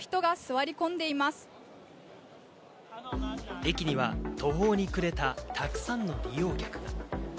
駅には途方に暮れたたくさんの利用客。